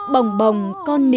bồng bồng con nín con ơi